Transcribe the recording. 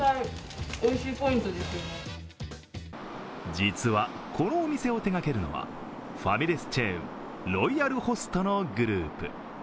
実は、このお店を手がけるのはファミレスチェーンロイヤルホストのグループ。